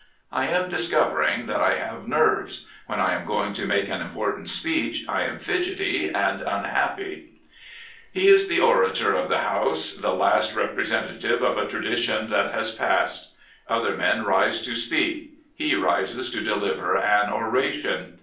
I am discovering that I have nerves. When I am going to make an important speech I am fidgety and unhappy," ^ 108 John Redmond He is the orator of the House — the last repre sentative of a tradition that has passed. Other men rise to speak; he rises to deliver an oration.